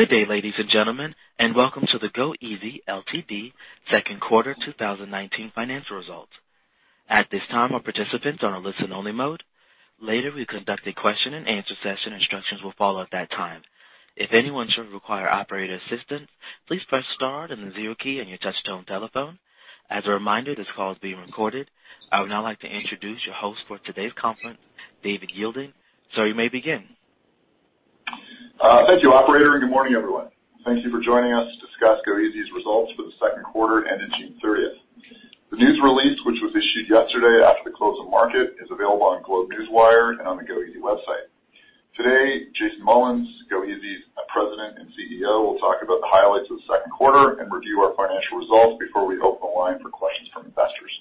Good day, ladies and gentlemen, and welcome to the goeasy Ltd. second quarter 2019 financial results. At this time, our participants are on a listen-only mode. Later, we'll conduct a question-and-answer session. Instructions will follow at that time. If anyone should require operator assistance, please press star and the 0 key on your touch-tone telephone. As a reminder, this call is being recorded. I would now like to introduce your host for today's conference, David Yeilding. Sir, you may begin. Thank you, operator, and good morning, everyone. Thank you for joining us to discuss goeasy's results for the second quarter ending June 30th. The news release, which was issued yesterday after the close of market, is available on GlobeNewswire and on the goeasy website. Today, Jason Mullins, goeasy's President and CEO, will talk about the highlights of the second quarter and review our financial results before we open the line for questions from investors.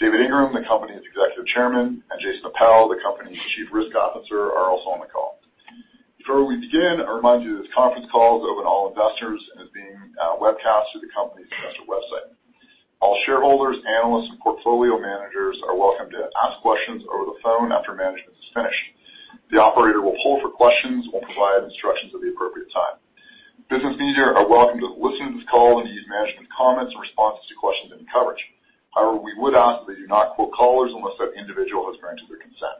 David Ingram, the company's Executive Chairman, and Jason Appel, the company's Chief Risk Officer, are also on the call. Before we begin, I remind you this conference call is open to all investors and is being webcast through the company's investor website. All shareholders, analysts, and portfolio managers are welcome to ask questions over the phone after management has finished. The operator will hold for questions and will provide instructions at the appropriate time. Business media are welcome to listen to this call and use management comments and responses to questions in coverage. However, we would ask that you not quote callers unless that individual has granted their consent.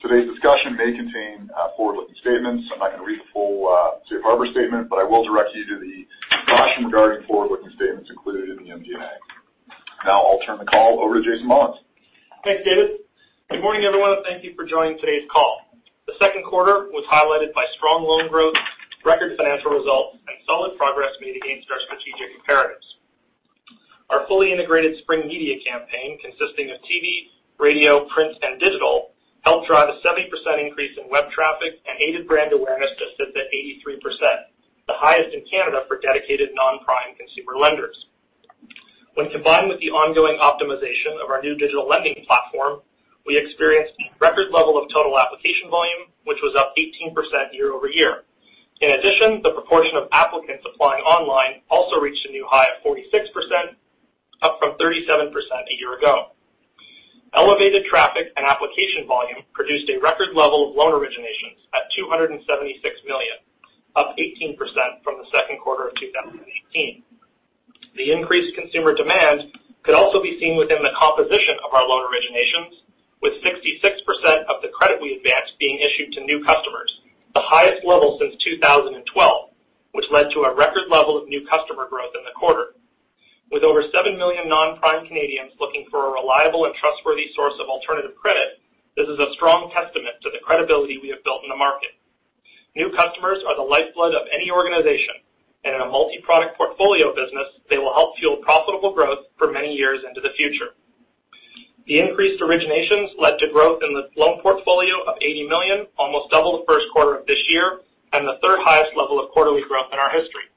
Today's discussion may contain forward-looking statements. I'm not going to read the full safe harbor statement, but I will direct you to the caution regarding forward-looking statements included in the MD&A. Now, I'll turn the call over to Jason Mullins. Thanks, David. Good morning, everyone, and thank you for joining today's call. The second quarter was highlighted by strong loan growth, record financial results, and solid progress made against our strategic imperatives. Our fully integrated spring media campaign, consisting of TV, radio, print, and digital, helped drive a 70% increase in web traffic and aided brand awareness to sit at 83%, the highest in Canada for dedicated non-prime consumer lenders. Combined with the ongoing optimization of our new digital lending platform, we experienced record level of total application volume, which was up 18% year-over-year. The proportion of applicants applying online also reached a new high of 46%, up from 37% a year ago. Elevated traffic and application volume produced a record level of loan originations at 276 million, up 18% from the second quarter of 2018. The increased consumer demand could also be seen within the composition of our loan originations, with 66% of the credit we advanced being issued to new customers, the highest level since 2012, which led to a record level of new customer growth in the quarter. With over 7 million non-prime Canadians looking for a reliable and trustworthy source of alternative credit, this is a strong testament to the credibility we have built in the market. New customers are the lifeblood of any organization, and in a multi-product portfolio business, they will help fuel profitable growth for many years into the future. The increased originations led to growth in the loan portfolio of 80 million, almost double the first quarter of this year and the third highest level of quarterly growth in our history.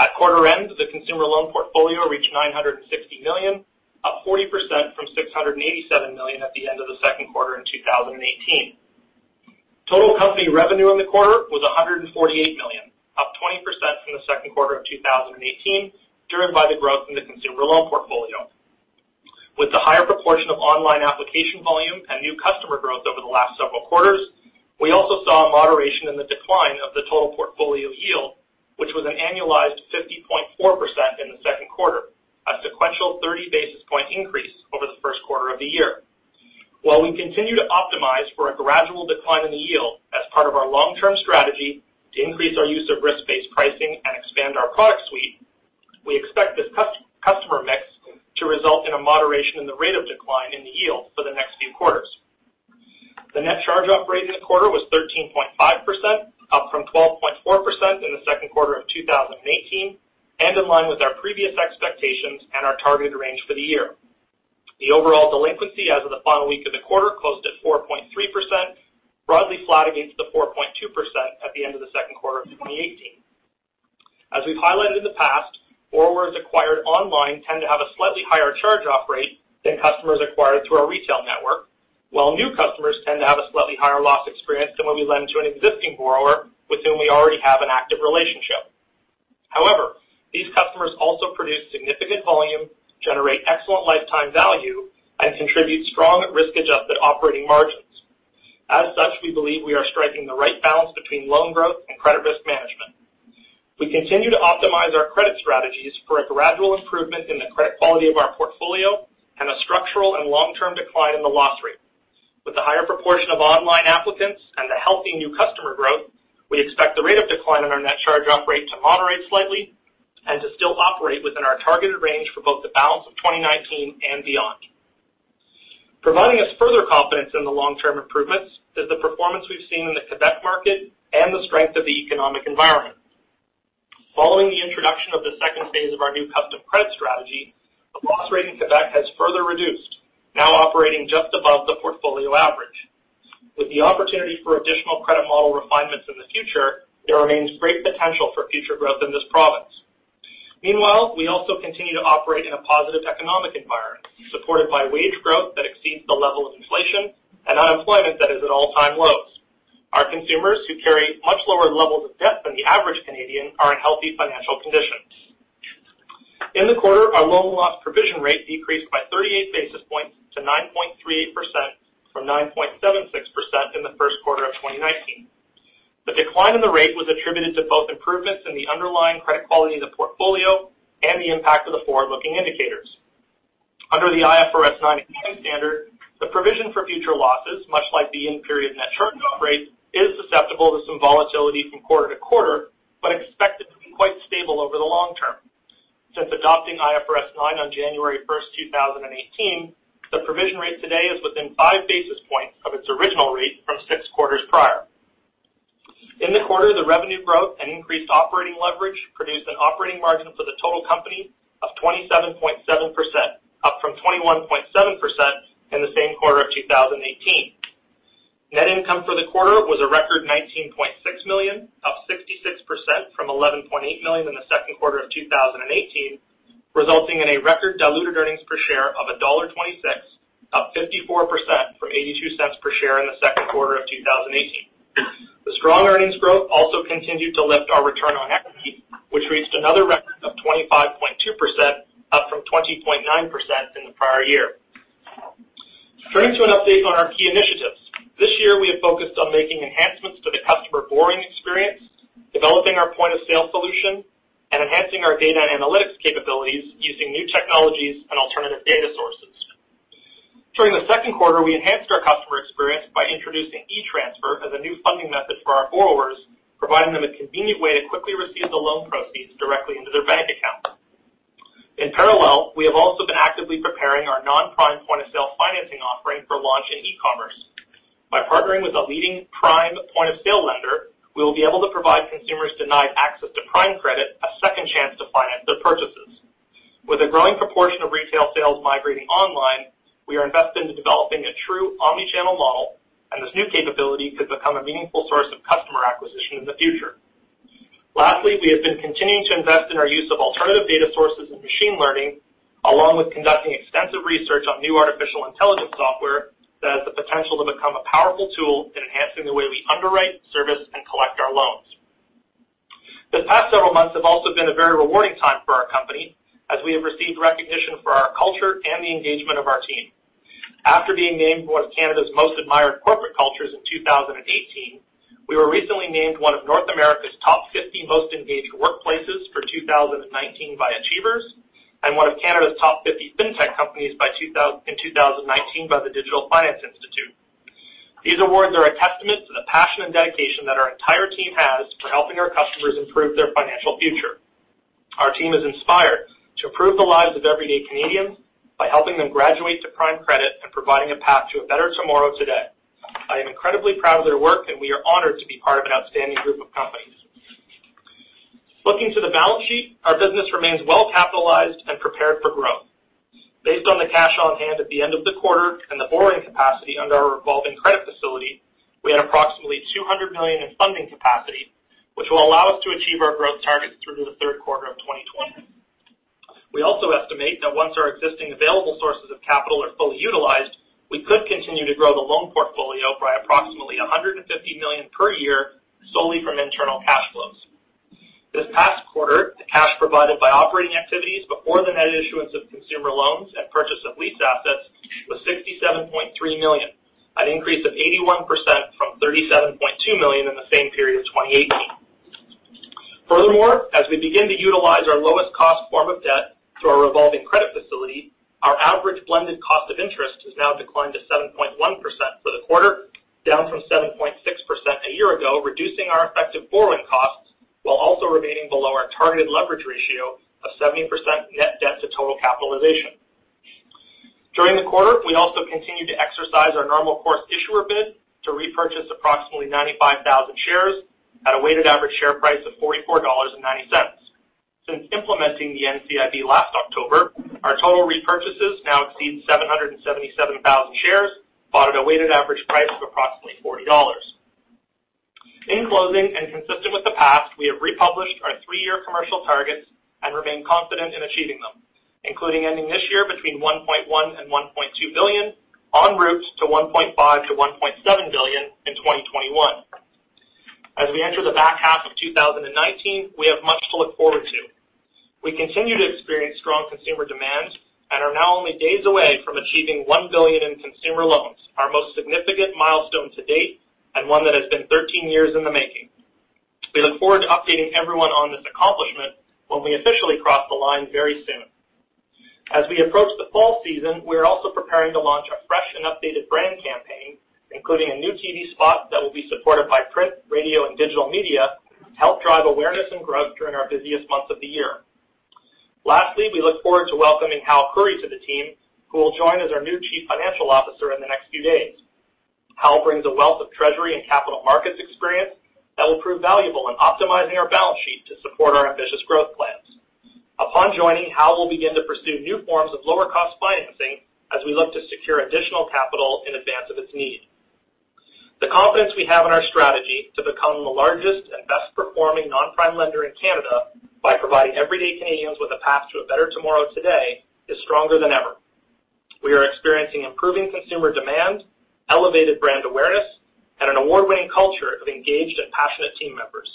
At quarter end, the consumer loan portfolio reached 960 million, up 40% from 687 million at the end of the second quarter in 2018. Total company revenue in the quarter was 148 million, up 20% from the second quarter of 2018, driven by the growth in the consumer loan portfolio. With the higher proportion of online application volume and new customer growth over the last several quarters, we also saw a moderation in the decline of the total portfolio yield, which was an annualized 50.4% in the second quarter, a sequential 30-basis point increase over the first quarter of the year. While we continue to optimize for a gradual decline in the yield as part of our long-term strategy to increase our use of risk-based pricing and expand our product suite, we expect this customer mix to result in a moderation in the rate of decline in the yield for the next few quarters. The net charge off rate this quarter was 13.5%, up from 12.4% in the second quarter of 2018, and in line with our previous expectations and our targeted range for the year. The overall delinquency as of the final week of the quarter closed at 4.3%, broadly flat against the 4.2% at the end of the second quarter of 2018. As we've highlighted in the past, borrowers acquired online tend to have a slightly higher charge-off rate than customers acquired through our retail network, while new customers tend to have a slightly higher loss experience than when we lend to an existing borrower with whom we already have an active relationship. These customers also produce significant volume, generate excellent lifetime value, and contribute strong risk-adjusted operating margins. We believe we are striking the right balance between loan growth and credit risk management. We continue to optimize our credit strategies for a gradual improvement in the credit quality of our portfolio and a structural and long-term decline in the loss rate. With the higher proportion of online applicants and the healthy new customer growth, we expect the rate of decline in our net charge-off rate to moderate slightly and to still operate within our targeted range for both the balance of 2019 and beyond. Providing us further confidence in the long-term improvements is the performance we've seen in the Quebec market and the strength of the economic environment. Following the introduction of the second phase of our new custom credit strategy, the loss rate in Quebec has further reduced, now operating just above the portfolio average. With the opportunity for additional credit model refinements in the future, there remains great potential for future growth in this province. Meanwhile, we also continue to operate in a positive economic environment, supported by wage growth that exceeds the level of inflation and unemployment that is at all-time lows. Our consumers, who carry much lower levels of debt than the average Canadian, are in healthy financial conditions. In the quarter, our loan loss provision rate decreased by 38 basis points to 9.38%, from 9.76% in the first quarter of 2019. The decline in the rate was attributed to both improvements in the underlying credit quality of the portfolio and the impact of the forward-looking indicators. Under the IFRS 9 accounting standard, the provision for future losses, much like the in-period net charge-off rate, is susceptible to some volatility from quarter to quarter, but expected to be quite stable over the long term. Since adopting IFRS 9 on January 1st, 2018, the provision rate today is within five basis points of its original rate from six quarters prior. In the quarter, the revenue growth and increased operating leverage produced an operating margin for the total company of 27.7%, up from 21.7% in the same quarter of 2018. Net income for the quarter was a record 19.6 million, up 66% from 11.8 million in the second quarter of 2018, resulting in a record diluted earnings per share of dollar 1.26, up 54% from 0.82 per share in the second quarter of 2018. The strong earnings growth also continued to lift our return on equity, which reached another record of 25.2%, up from 20.9% in the prior year. Turning to an update on our key initiatives. This year we have focused on making enhancements to the customer borrowing experience, developing our point-of-sale solution, and enhancing our data and analytics capabilities using new technologies and alternative data sources. During the second quarter, we enhanced our customer experience by introducing e-transfer as a new funding method for our borrowers, providing them a convenient way to quickly receive the loan proceeds directly into their bank account. In parallel, we have also been actively preparing our non-prime point-of-sale financing offering for launch in e-commerce. By partnering with a leading prime point-of-sale lender, we will be able to provide consumers denied access to prime credit a second chance to finance their purchases. With a growing proportion of retail sales migrating online, we are invested in developing a true omni-channel model, and this new capability could become a meaningful source of customer acquisition in the future. Lastly, we have been continuing to invest in our use of alternative data sources and machine learning, along with conducting extensive research on new artificial intelligence software that has the potential to become a powerful tool in enhancing the way we underwrite, service, and collect our loans. The past several months have also been a very rewarding time for our company, as we have received recognition for our culture and the engagement of our team. After being named one of Canada's Most Admired Corporate Cultures in 2018, we were recently named one of North America's Top 50 Most Engaging Workplaces for 2019 by Achievers, and one of Canada's Top 50 Fintech Companies in 2019 by the Digital Finance Institute. These awards are a testament to the passion and dedication that our entire team has for helping our customers improve their financial future. Our team is inspired to improve the lives of everyday Canadians by helping them graduate to prime credit and providing a path to a better tomorrow, today. I am incredibly proud of their work, and we are honored to be part of an outstanding group of companies. Looking to the balance sheet, our business remains well capitalized and prepared for growth. Based on the cash on hand at the end of the quarter and the borrowing capacity under our revolving credit facility, we had approximately 200 million in funding capacity, which will allow us to achieve our growth targets through to the third quarter of 2020. We also estimate that once our existing available sources of capital are fully utilized, we could continue to grow the loan portfolio by approximately 150 million per year solely from internal cash flows. This past quarter, the cash provided by operating activities before the net issuance of consumer loans and purchase of lease assets was 67.3 million, an increase of 81% from 37.2 million in the same period of 2018. As we begin to utilize our lowest cost form of debt through our revolving credit facility, our average blended cost of interest has now declined to 7.1% for the quarter, down from 7.6% a year ago, reducing our effective borrowing costs while also remaining below our targeted leverage ratio of 70% net debt to total capitalization. During the quarter, we also continued to exercise our normal course issuer bid to repurchase approximately 95,000 shares at a weighted average share price of 44.90 dollars. Since implementing the NCIB last October, our total repurchases now exceed 777,000 shares, bought at a weighted average price of approximately 40 dollars. In closing, and consistent with the past, we have republished our three-year commercial targets and remain confident in achieving them, including ending this year between 1.1 billion and 1.2 billion, en route to 1.5 billion to 1.7 billion in 2021. As we enter the back half of 2019, we have much to look forward to. We continue to experience strong consumer demand and are now only days away from achieving 1 billion in consumer loans, our most significant milestone to date and one that has been 13 years in the making. We look forward to updating everyone on this accomplishment when we officially cross the line very soon. As we approach the fall season, we are also preparing to launch a fresh and updated brand campaign, including a new TV spot that will be supported by print, radio and digital media to help drive awareness and growth during our busiest months of the year. Lastly, we look forward to welcoming Hal Khouri to the team, who will join as our new Chief Financial Officer in the next few days. Hal brings a wealth of treasury and capital markets experience that will prove valuable in optimizing our balance sheet to support our ambitious growth plans. Upon joining, Hal will begin to pursue new forms of lower cost financing as we look to secure additional capital in advance of its need. The confidence we have in our strategy to become the largest and best performing non-prime lender in Canada by providing everyday Canadians with a path to a better tomorrow, today, is stronger than ever. We are experiencing improving consumer demand, elevated brand awareness, and an award-winning culture of engaged and passionate team members.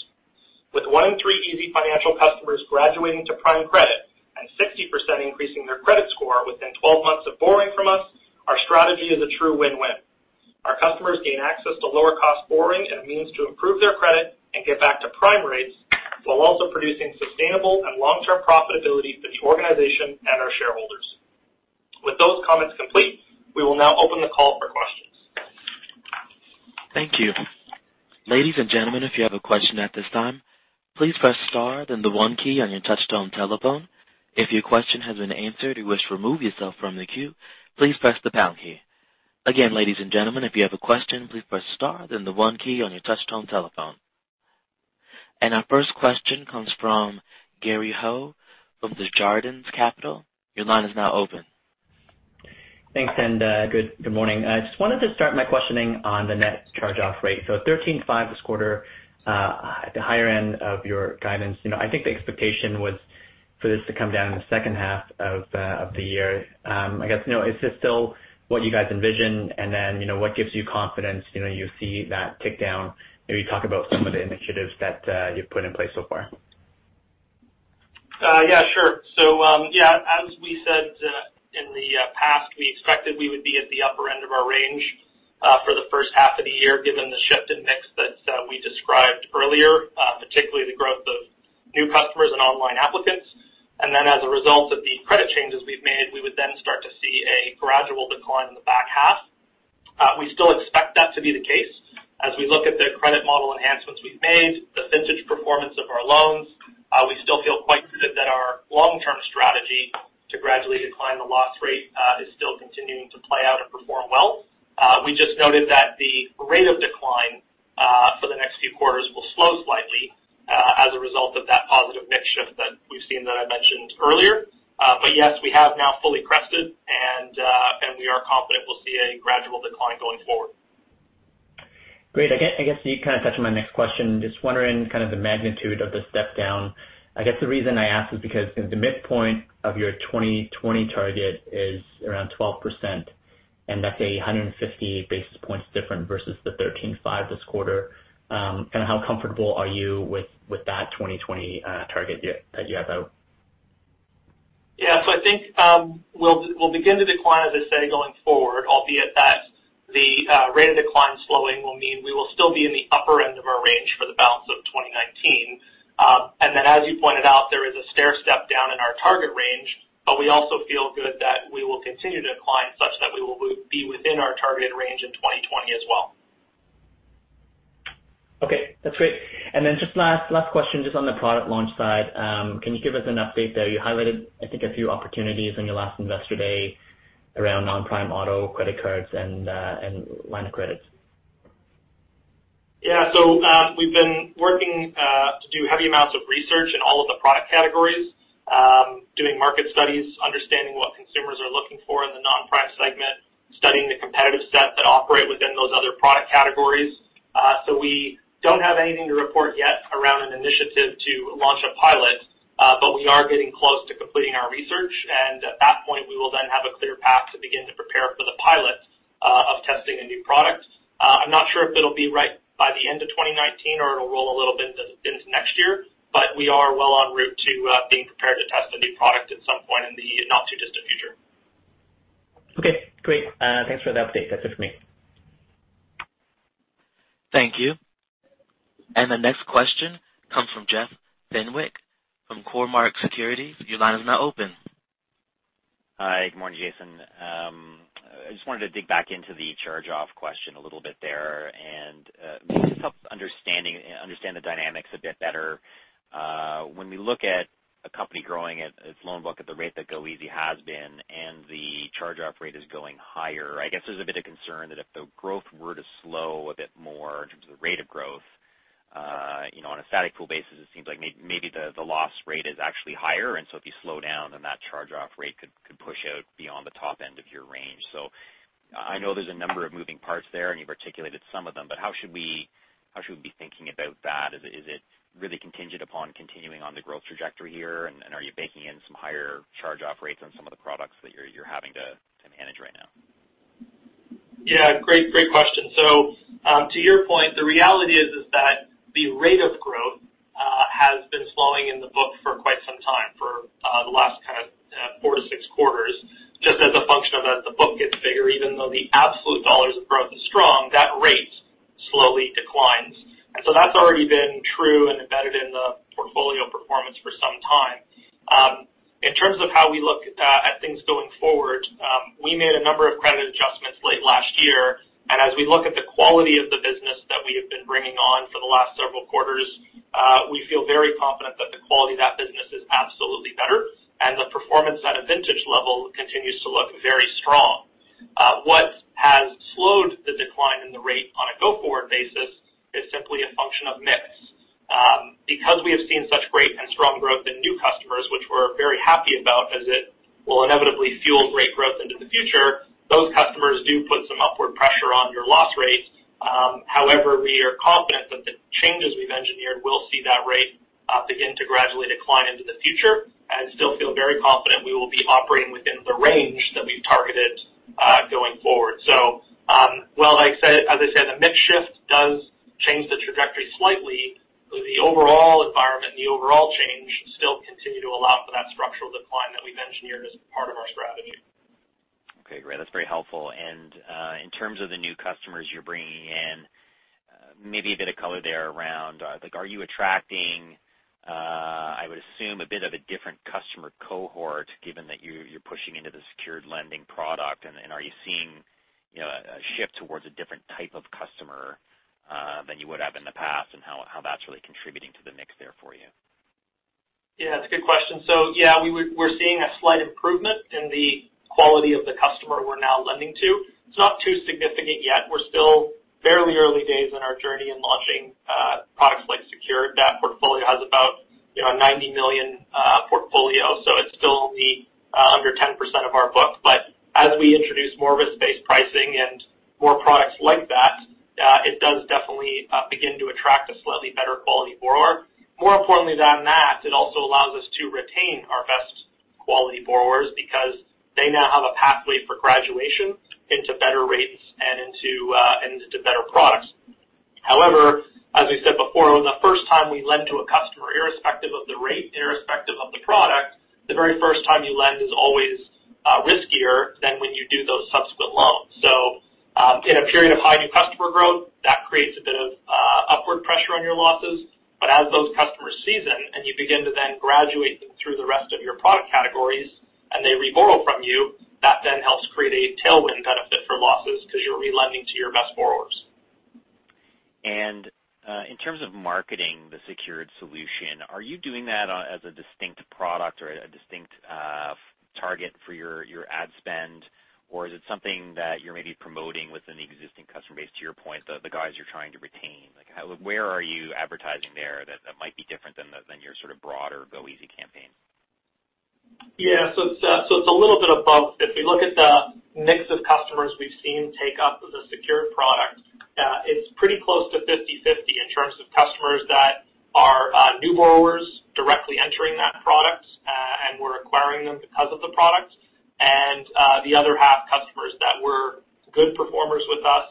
With one in three easyfinancial customers graduating to prime credit and 60% increasing their credit score within 12 months of borrowing from us, our strategy is a true win-win. Our customers gain access to lower cost borrowing and a means to improve their credit and get back to prime rates, while also producing sustainable and long-term profitability for the organization and our shareholders. With those comments complete, we will now open the call for questions. Thank you. Ladies and gentlemen, if you have a question at this time, please press star then the one key on your touchtone telephone. If your question has been answered or you wish to remove yourself from the queue, please press the pound key. Again, ladies and gentlemen, if you have a question, please press star then the one key on your touchtone telephone. Our first question comes from Gary Ho of the Desjardins Capital. Your line is now open. Thanks, and good morning. I just wanted to start my questioning on the net charge-off rate. At 13.5% this quarter, at the higher end of your guidance. I think the expectation was for this to come down in the second half of the year. I guess, is this still what you guys envision, and then, what gives you confidence you'll see that tick down? Maybe talk about some of the initiatives that you've put in place so far. Yeah, sure. Yeah, as we said in the past, we expected we would be at the upper end of our range for the first half of the year, given the shift in mix that we described earlier, particularly the growth of new customers and online applicants. As a result of the credit changes we've made, we would then start to see a gradual decline in the back half. We still expect that to be the case. As we look at the credit model enhancements we've made, the vintage performance of our loans, we still feel quite positive that our long-term strategy to gradually decline the loss rate is still continuing to play out and perform well. We just noted that the rate of decline for the next few quarters will slow slightly as a result of that positive mix shift that we've seen that I mentioned earlier. Yes, we have now fully crested, and we are confident we'll see a gradual decline going forward. Great. I guess you kind of touched on my next question. Just wondering kind of the magnitude of the step down. I guess the reason I ask is because the midpoint of your 2020 target is around 12%, and that's 150 basis points different versus the 13.5% this quarter. How comfortable are you with that 2020 target that you have out? I think we'll begin to decline, as I say, going forward, albeit that the rate of decline slowing will mean we will still be in the upper end of our range for the balance of 2019. Then, as you pointed out, there is a stairstep down in our target range, but we also feel good that we will continue to decline such that we will be within our targeted range in 2020 as well. Okay, that's great. Just last question, just on the product launch side. Can you give us an update there? You highlighted, I think, a few opportunities in your last investor day around non-prime auto, credit cards, and line of credits. Yeah. We've been working to do heavy amounts of research in all of the product categories. Doing market studies, understanding what consumers are looking for in the non-prime segment, studying the competitive set that operate within those other product categories. We don't have anything to report yet around an initiative to launch a pilot. We are getting close to completing our research, and at that point, we will then have a clear path to begin to prepare for the pilot of testing a new product. I'm not sure if it'll be right by the end of 2019 or it'll roll a little bit into next year, but we are well on route to being prepared to test a new product at some point in the not too distant future. Okay, great. Thanks for the update. That's it for me. Thank you. The next question comes from Jeff Fenwick from Cormark Securities. Your line is now open. Hi. Good morning, Jason. I just wanted to dig back into the charge-off question a little bit there and maybe just help understand the dynamics a bit better. When we look at a company growing its loan book at the rate that goeasy has been, and the charge-off rate is going higher, I guess there's a bit of concern that if the growth were to slow a bit more in terms of the rate of growth, on a static pool basis, it seems like maybe the loss rate is actually higher. If you slow down, then that charge-off rate could push out beyond the top end of your range. I know there's a number of moving parts there, and you've articulated some of them, but how should we be thinking about that? Is it really contingent upon continuing on the growth trajectory here, and are you baking in some higher charge-off rates on some of the products that you're having to manage right now? Yeah. Great question. To your point, the reality is that the rate of growth has been slowing in the book for quite some time, for the last kind of four to six quarters, just as a function of as the book gets bigger, even though the absolute dollars of growth is strong, that rate slowly declines. That's already been true and embedded in the portfolio performance for some time. In terms of how we look at things going forward, we made a number of credit adjustments late last year, and as we look at the quality of the business that we have been bringing on for the last several quarters, we feel very confident that the quality of that business is absolutely better. The performance at a vintage level continues to look very strong. What has slowed the decline in the rate on a go-forward basis is simply a function of mix. We have seen such great and strong growth in new customers, which we're very happy about as it will inevitably fuel great growth into the future, those customers do put some upward pressure on your loss rate. However, we are confident that the changes we've engineered will see that rate begin to gradually decline into the future and still feel very confident we will be operating within the range that we've targeted going forward. While, as I said, the mix shift does change the trajectory slightly, the overall environment, the overall change, still continue to allow for that structural decline that we've engineered as part of our strategy. Okay, great. That's very helpful. In terms of the new customers you're bringing in, maybe a bit of color there around like are you attracting, I would assume, a bit of a different customer cohort, given that you're pushing into the secured lending product and are you seeing a shift towards a different type of customer than you would have in the past, and how that's really contributing to the mix there for you? That's a good question. Yeah, we're seeing a slight improvement in the quality of the customer we're now lending to. It's not too significant yet. We're still fairly early days in our journey in launching products like Secured. That portfolio has about 90 million portfolio. It's still only under 10% of our book. As we introduce more risk-based pricing and more products like that, it does definitely begin to attract a slightly better quality borrower. More importantly than that, it also allows us to retain our best quality borrowers because they now have a pathway for graduation into better rates and into better products. However, as we said before, the first time we lend to a customer, irrespective of the rate, irrespective of the product, the very first time you lend is always riskier than when you do those subsequent loans. In a period of high new customer growth, that creates a bit of upward pressure on your losses. As those customers season and you begin to then graduate them through the rest of your product categories and they reborrow from you, that then helps create a tailwind benefit for losses because you're relending to your best borrowers. In terms of marketing the Secured solution, are you doing that as a distinct product or a distinct target for your ad spend? Or is it something that you're maybe promoting within the existing customer base, to your point, the guys you're trying to retain, where are you advertising there that might be different than your sort of broader goeasy campaign? Yeah. It's a little bit of both. If we look at the mix of customers we've seen take up the Secured product, it's pretty close to 50/50 in terms of customers that are new borrowers directly entering that product, and we're acquiring them because of the product. The other half, customers that were good performers with us,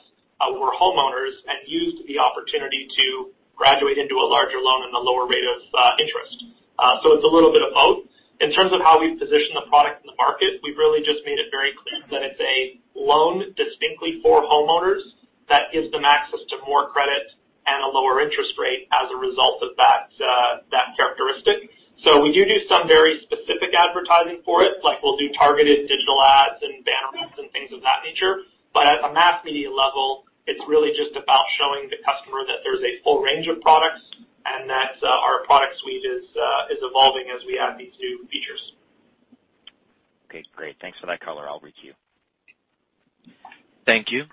were homeowners, and used the opportunity to graduate into a larger loan and a lower rate of interest. It's a little bit of both. In terms of how we position the product in the market, we've really just made it very clear that it's a loan distinctly for homeowners that gives them access to more credit and a lower interest rate as a result of that characteristic. We do some very specific advertising for it, like we'll do targeted digital ads and banners and things of that nature. At a mass media level, it's really just about showing the customer that there's a full range of products and that our product suite is evolving as we add these new features. Okay, great. Thanks for that color, Aubrey, to you. Thank you.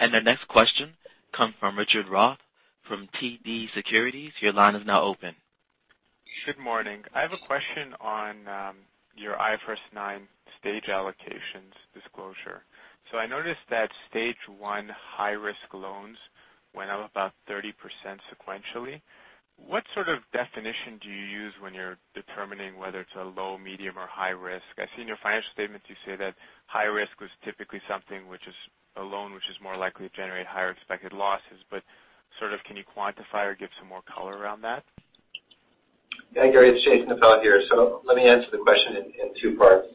The next question come from Richard Roth from TD Securities. Your line is now open. Good morning. I have a question on your IFRS 9 stage allocations disclosure. I noticed that stage 1 high risk loans went up about 30% sequentially. What sort of definition do you use when you're determining whether it's a low, medium, or high risk? I've seen your financial statements. You say that high risk was typically something which is a loan which is more likely to generate higher expected losses. Sort of can you quantify or give some more color around that? Yeah, Gary, it's Jason Appel here. Let me answer the question in two parts.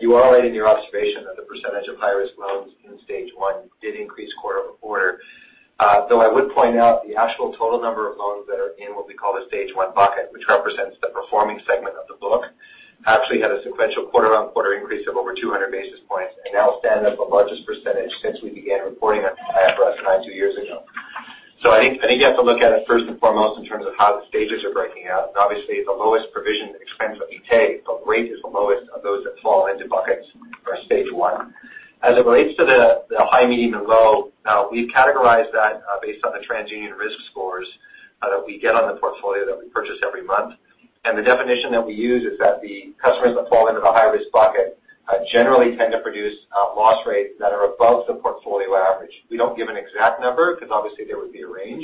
You are right in your observation that the percentage of high-risk loans in stage 1 did increase quarter-over-quarter. I would point out the actual total number of loans that are in what we call the stage 1 bucket, which represents the performing segment of the book, actually had a sequential quarter-on-quarter increase of over 200 basis points and now stands as the largest percentage since we began reporting on IFRS 9 two years ago. I think you have to look at it first and foremost in terms of how the stages are breaking out. Obviously the lowest provision expense that we take, the rate is the lowest of those that fall into buckets for stage 1. As it relates to the high, medium, and low, we've categorized that based on the TransUnion risk scores that we get on the portfolio that we purchase every month. The definition that we use is that the customers that fall into the high-risk bucket generally tend to produce loss rates that are above the portfolio average. We don't give an exact number because obviously there would be a range.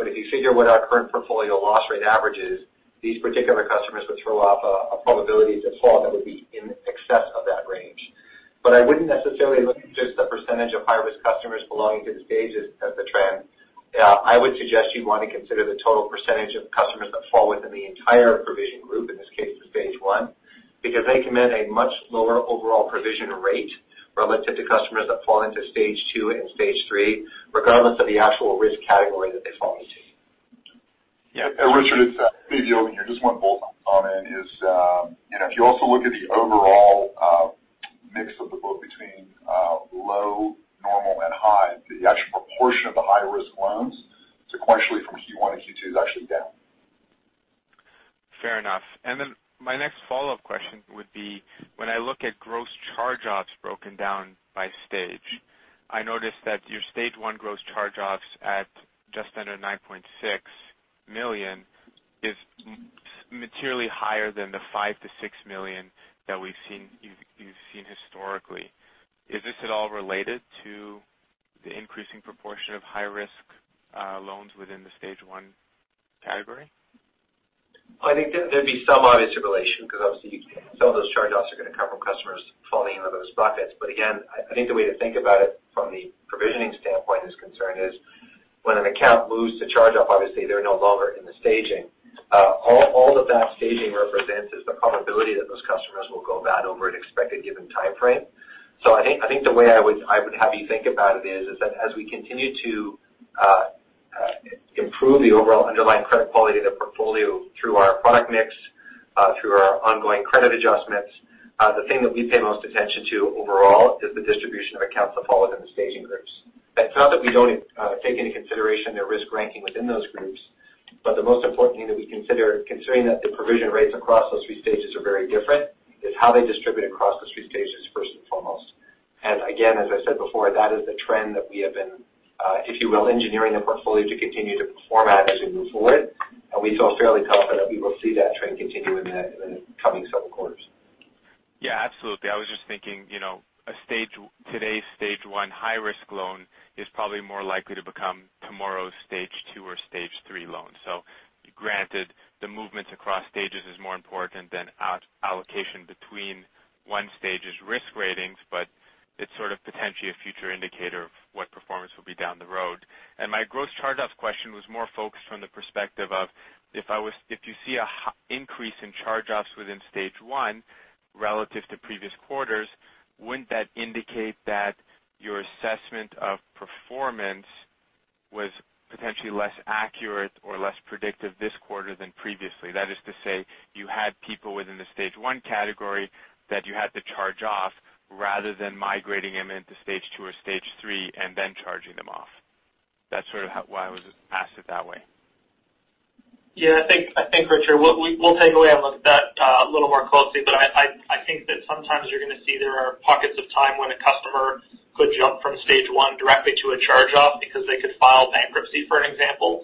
If you figure what our current portfolio loss rate average is, these particular customers would throw off a probability default that would be in excess of that range. I wouldn't necessarily look at just the percentage of high-risk customers belonging to the stages as a trend. I would suggest you want to consider the total percentage of customers that fall within the entire provision group, in this case, the stage 1, because they command a much lower overall provision rate relative to customers that fall into stage 2 and stage 3, regardless of the actual risk category that they fall into. Yeah, Richard, it's David Ingram here. Just one bullet on it is if you also look at the overall mix of the book between low, normal, and high, the actual proportion of the high-risk loans sequentially from Q1 to Q2 is actually down. Fair enough. My next follow-up question would be, when I look at gross charge-offs broken down by stage, I noticed that your stage 1 gross charge-offs at just under 9.6 million is materially higher than the 5 million-6 million that we've seen historically. Is this at all related to the increasing proportion of high-risk loans within the stage 1 category? I think there'd be some obvious relation because obviously some of those charge-offs are going to come from customers falling into those buckets. Again, I think the way to think about it from the provisioning standpoint is concerned is when an account moves to charge-off, obviously they're no longer in the staging. All that that staging represents is the probability that those customers will go bad over an expected given timeframe. I think the way I would have you think about it is that as we continue to improve the overall underlying credit quality of the portfolio through our product mix, through our ongoing credit adjustments, the thing that we pay most attention to overall is the distribution of accounts that fall within the staging groups. It's not that we don't take into consideration their risk ranking within those groups, but the most important thing that we consider, considering that the provision rates across those 3 stages are very different, is how they distribute across those 3 stages first and foremost. Again, as I said before, that is the trend that we have been, if you will, engineering the portfolio to continue to perform at as we move forward. We feel fairly confident we will see that trend continue in the coming several quarters. Yeah, absolutely. I was just thinking, today's stage 1 high-risk loan is probably more likely to become tomorrow's stage 2 or stage 3 loan. Granted, the movements across stages is more important than allocation between 1 stage's risk ratings, but it's sort of potentially a future indicator of what performance will be down the road. My gross charge-off question was more focused from the perspective of if you see an increase in charge-offs within stage 1 relative to previous quarters, wouldn't that indicate that your assessment of performance was potentially less accurate or less predictive this quarter than previously? That is to say, you had people within the stage 1 category that you had to charge off rather than migrating them into stage 2 or stage 3 and then charging them off. That's sort of why I asked it that way. Yeah, I think, Richard, we'll take away and look at that a little more closely. I think that sometimes you're going to see there are pockets of time when a customer could jump from stage 1 directly to a charge-off because they could file bankruptcy, for an example.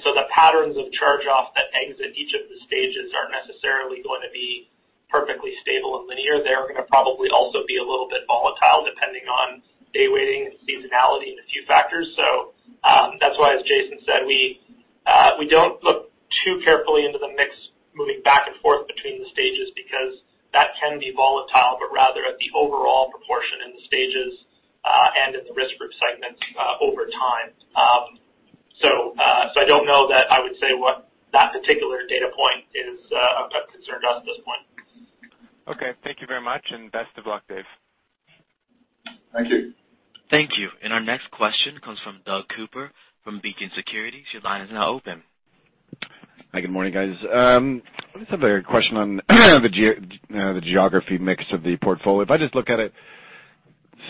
So the patterns of charge-off that exit each of the stages aren't necessarily going to be perfectly stable and linear. They're going to probably also be a little bit volatile depending on day weighting and seasonality and a few factors. That's why, as Jason said, we don't look too carefully into the mix moving back and forth between the stages because that can be volatile, but rather at the overall proportion in the stages and in the risk group segments over time. I don't know that I would say what that particular data point concerned us at this point. Okay. Thank you very much, and best of luck, Dave. Thank you. Thank you. Our next question comes from Doug Cooper from Beacon Securities. Your line is now open. Hi, good morning, guys. I just have a question on the geography mix of the portfolio. If I just look at it,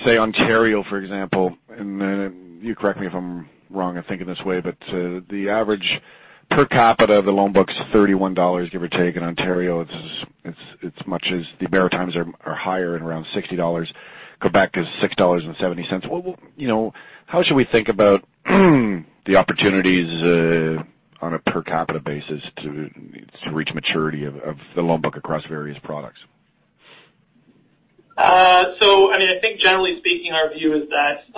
say Ontario, for example, and you correct me if I'm wrong in thinking this way, but the average per capita of the loan book's 31 dollars, give or take, in Ontario. It's much as the Maritimes are higher and around 60 dollars. Quebec is 6.70 dollars. How should we think about the opportunities on a per capita basis to reach maturity of the loan book across various products? I think generally speaking, our view is that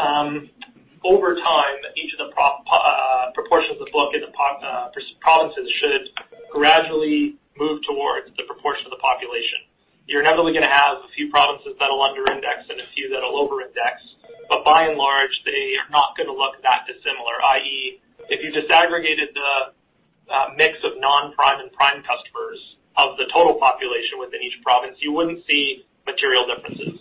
over time, each of the proportions of the book in the provinces should gradually move towards the proportion of the population. You're inevitably going to have a few provinces that'll under index and a few that'll over index. By and large, they are not going to look that dissimilar, i.e., if you disaggregated the mix of non-prime and prime customers of the total population within each province, you wouldn't see material differences.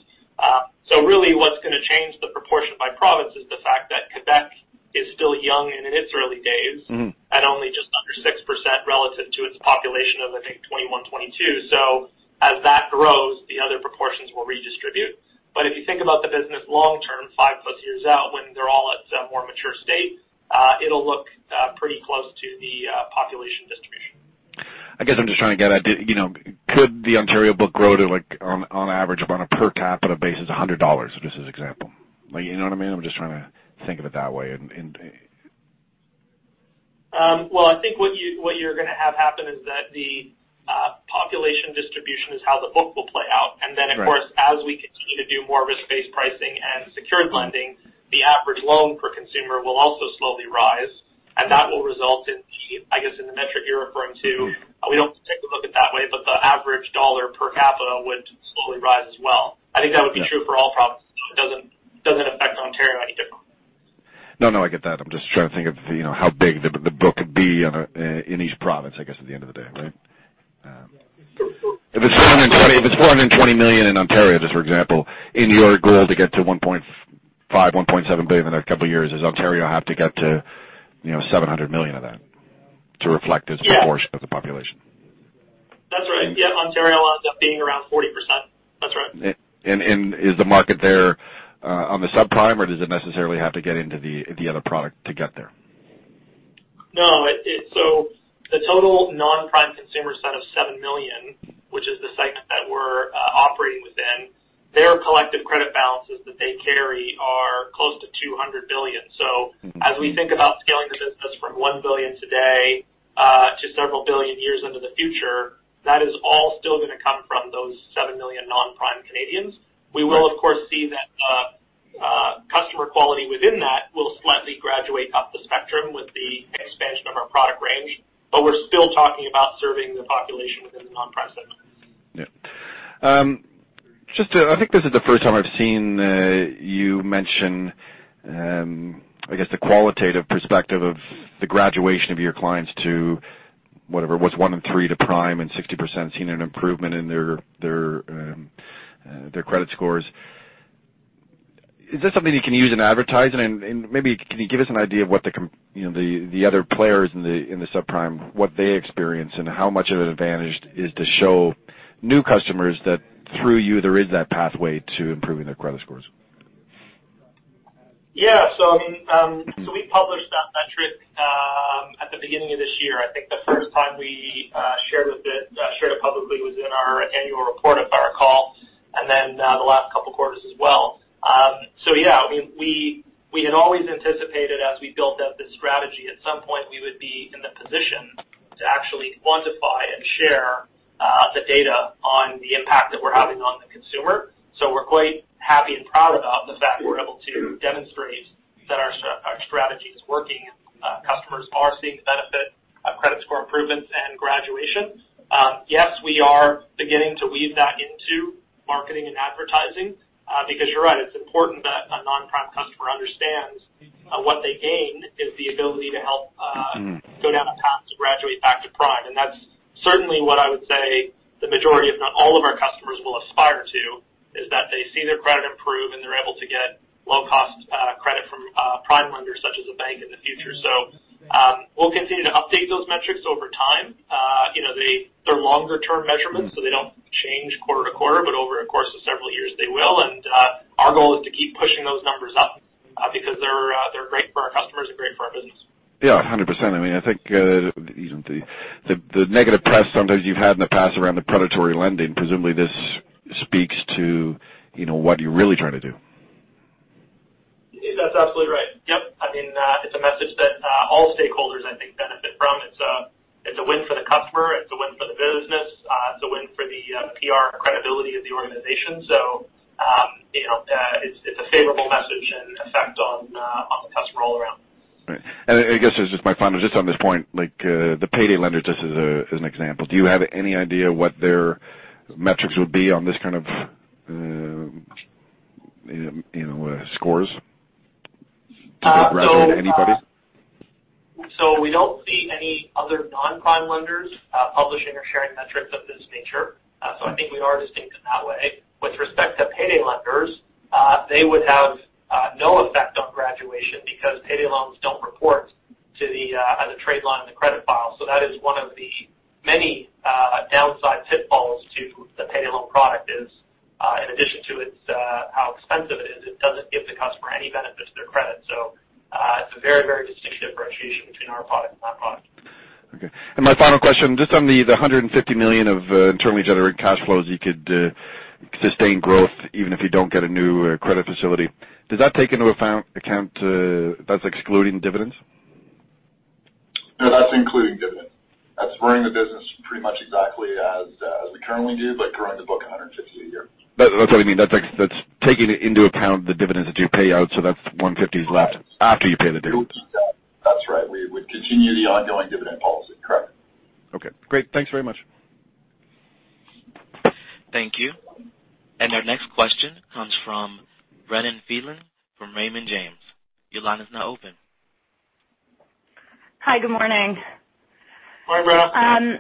Really what's going to change the proportion by province is the fact that Quebec is still young and in its early days. Only just under 6% relative to its population of, I think, 21, 22. As that grows, the other proportions will redistribute. If you think about the business long term, 5+ years out, when they're all at a more mature state, it'll look pretty close to the population distribution. I guess I'm just trying to get an idea. Could the Ontario book grow to, on average, on a per capita basis, 100 dollars? Just as an example. You know what I mean? I'm just trying to think of it that way. Well, I think what you're going to have happen is that the population distribution is how the book will play out. Right. Then, of course, as we continue to do more risk-based pricing and secured lending, the average loan per consumer will also slowly rise. That will result in the, I guess, in the metric you're referring to. We don't take a look at it that way, but the average dollar per capita would slowly rise as well. I think that would be true for all provinces. It doesn't affect Ontario any differently. No, I get that. I'm just trying to think of how big the book could be in each province, I guess, at the end of the day, right? If it's 420 million in Ontario, just for example, in your goal to get to 1.5 billion-1.7 billion in a couple of years, does Ontario have to get to 700 million of that to reflect its proportion- Yeah of the population? That's right. Yeah. Ontario will end up being around 40%. That's right. Is the market there on the subprime, or does it necessarily have to get into the other product to get there? No. The total non-prime consumer set of 7 million, which is the segment that their collective credit balances that they carry are close to 200 billion. As we think about scaling the business from 1 billion today to CAD several billion years into the future, that is all still going to come from those 7 million non-prime Canadians. We will, of course, see that customer quality within that will slightly graduate up the spectrum with the expansion of our product range, but we're still talking about serving the population within the non-prime segment. Yeah. I think this is the first time I've seen you mention, I guess, the qualitative perspective of the graduation of your clients to whatever was one in three to prime and 60% seeing an improvement in their credit scores. Is that something you can use in advertising? Maybe can you give us an idea of what the other players in the subprime, what they experience, and how much of an advantage is to show new customers that through you there is that pathway to improving their credit scores? Yeah. We published that metric at the beginning of this year. I think the first time we shared it publicly was in our annual report at our call, and then the last couple of quarters as well. Yeah, we had always anticipated as we built up this strategy, at some point we would be in the position to actually quantify and share the data on the impact that we're having on the consumer. We're quite happy and proud about the fact we're able to demonstrate that our strategy is working. Customers are seeing the benefit of credit score improvements and graduation. Yes, we are beginning to weave that into marketing and advertising. You're right, it's important that a non-prime customer understands what they gain is the ability to help go down the path to graduate back to prime. That's certainly what I would say the majority if not all of our customers will aspire to, is that they see their credit improve, and they're able to get low-cost credit from prime lenders such as a bank in the future. We'll continue to update those metrics over time. They're longer-term measurements, so they don't change quarter to quarter, but over a course of several years, they will. Our goal is to keep pushing those numbers up because they're great for our customers and great for our business. Yeah, 100%. I think the negative press sometimes you've had in the past around the predatory lending, presumably this speaks to what you're really trying to do. That's absolutely right. Yep. It's a message that all stakeholders, I think, benefit from. It's a win for the customer. It's a win for the business. It's a win for the PR credibility of the organization. It's a favorable message and effect on the customer all around. Right. I guess as just my final, just on this point, the payday lenders just as an example. Do you have any idea what their metrics would be on this kind of scores relative to anybody's? We don't see any other non-prime lenders publishing or sharing metrics of this nature. I think we are distinctive that way. With respect to payday lenders, they would have no effect on graduation because payday loans don't report as a trade line on the credit file. That is one of the many downside pitfalls to the payday loan product is in addition to how expensive it is, it doesn't give the customer any benefit to their credit. It's a very distinctive differentiation between our product and that product. Okay. My final question, just on the 150 million of internally generated cash flows you could sustain growth even if you don't get a new credit facility. Does that take into account, that's excluding dividends? No, that's including dividend. That's running the business pretty much exactly as we currently do but growing the book 150 a year. That's what I mean. That's taking into account the dividends that you pay out. That's 150 is left after you pay the dividends. That's right. We would continue the ongoing dividend policy. Correct. Okay, great. Thanks very much. Thank you. Our next question comes from Ronan Phelan from Raymond James. Your line is now open. Hi. Good morning. Hi, Ronan.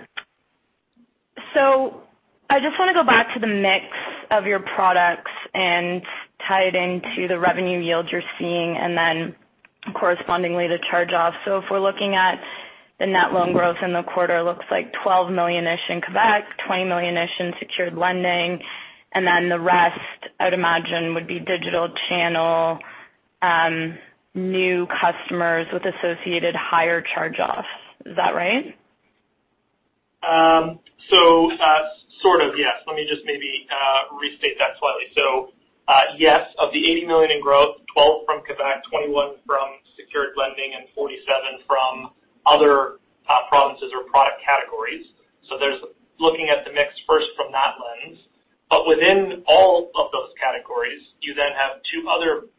I just want to go back to the mix of your products and tie it into the revenue yield you're seeing and then correspondingly the charge-off. If we're looking at the net loan growth in the quarter, looks like 12 million-ish in Quebec, 20 million-ish in secured lending, and then the rest I would imagine would be digital channel, new customers with associated higher charge-offs. Is that right? Sort of, yes. Let me just maybe restate that slightly. Yes, of the 80 million in growth, 12 from Quebec, 21 from Secured lending, and 47 from other provinces or product categories. There's looking at the mix first from that lens. Within all of those categories, you then have two other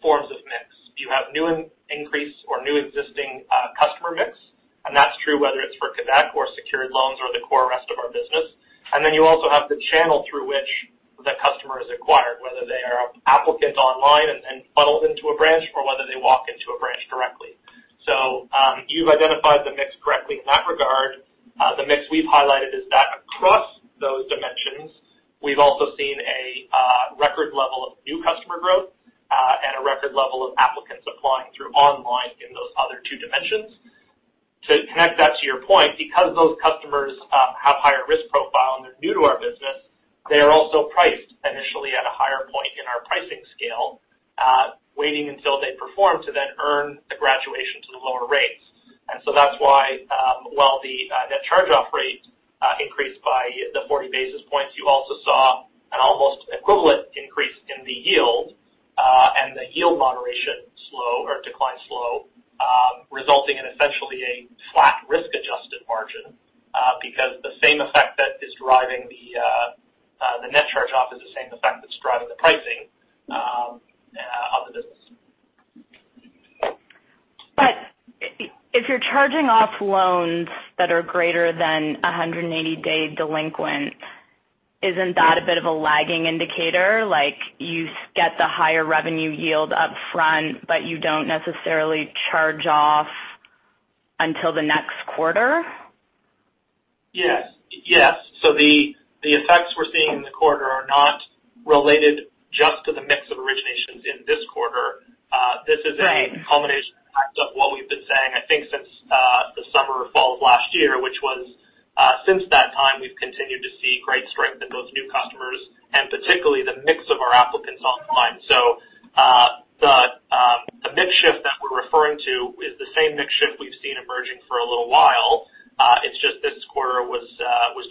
forms of mix. You have new increase or new existing customer mix. That's true whether it's for Quebec or Secured loans or the core rest of our business. You also have the channel through which the customer is acquired, whether they are an applicant online and funneled into a branch, or whether they walk into a branch directly. You've identified the mix correctly in that regard. The mix we've highlighted is that across those dimensions, we've also seen a record level of new customer growth and a record level of applicants applying through online in those other two dimensions. To connect that to your point, because those customers have higher risk profile and they're new to our business, they are also priced initially at a higher point in our pricing scale, waiting until they perform to then earn the graduation to the lower rates. That's why, while the net charge-off rate increased by the 40 basis points, you also saw an almost equivalent increase in the yield, and the yield moderation slow or decline slow, resulting in essentially a flat risk-adjusted margin. Because the same effect that is driving the net charge-off is the same effect that's driving the pricing of the business. If you're charging off loans that are greater than 180-day delinquent, isn't that a bit of a lagging indicator? Like you get the higher revenue yield upfront, but you don't necessarily charge off until the next quarter? Yes. The effects we're seeing in the quarter are not related just to the mix of originations in this quarter. Right culmination of what we've been saying, I think, since the summer or fall of last year, which was, since that time, we've continued to see great strength in those new customers, and particularly the mix of our applicants online. The mix shift that we're referring to is the same mix shift we've seen emerging for a little while. It's just this quarter was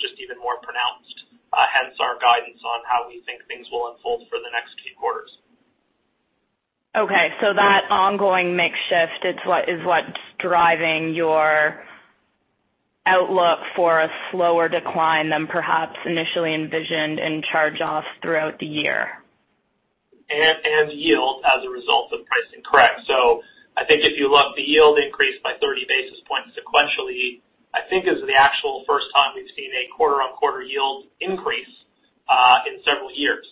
just even more pronounced, hence our guidance on how we think things will unfold for the next few quarters. Okay. That ongoing mix shift is what's driving your outlook for a slower decline than perhaps initially envisioned in charge-offs throughout the year. Yield as a result of pricing. Correct. I think if you look, the yield increased by 30 basis points sequentially. I think is the actual first time we've seen a quarter-over-quarter yield increase in several years.